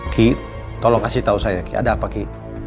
ki tolong kasih tau saya ada apa ki